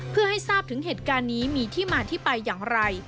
เพื่อให้ทราบถึงเหตุการณ์นี้มีที่มาที่ไปอย่างไร